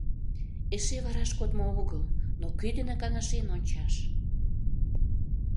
Эше вараш кодмо огыл, но кӧ дене каҥашен ончаш?